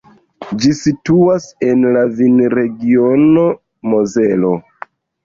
Ĝi situas en la vinregiono Mozelo.